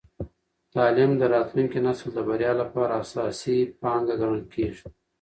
تعلیم د راتلونکي نسل د بریا لپاره اساسي پانګه ګڼل کېږي.